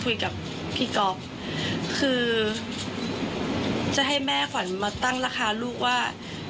คุยกับพี่ก๊อฟคือจะให้แม่ขวัญมาตั้งราคาลูกว่า